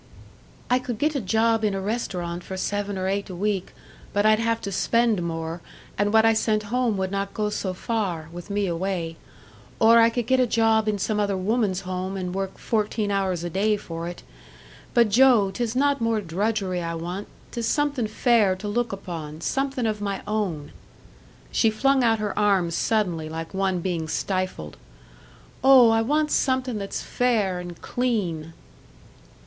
"I could get a job in a restaurant for seven or eight a week, but I'd have to spend more, and what I sent home would not go so far, with me away. Or I could get a job in some other woman's home, and work fourteen hours a day for it. But, Joe, 'tis not more drudgery I want, 'tis somethin' fair to look upon somethin' of my own!" She flung out her arms suddenly like one being stifled. "Oh, I want somethin' that's fair and clean!"